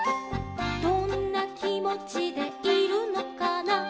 「どんなきもちでいるのかな」